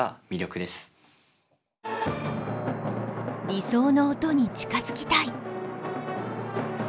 理想の音に近づきたい。